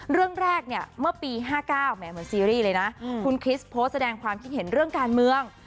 เรื่องแรกเนี่ยเมื่อปี๕๙แหมเหมือนซีรีส์เลยนะคุณคริสโพสต์แสดงความคิดเห็นเรื่องการเมือง